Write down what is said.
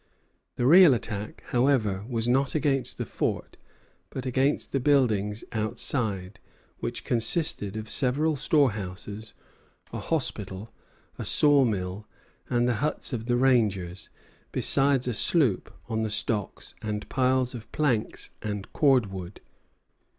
The real attack, however, was not against the fort, but against the buildings outside, which consisted of several storehouses, a hospital, a saw mill, and the huts of the rangers, besides a sloop on the stocks and piles of planks and cord wood.